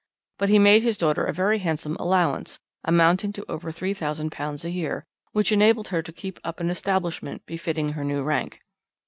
But he made his daughter a very handsome allowance, amounting to over £3000 a year, which enabled her to keep up an establishment befitting her new rank.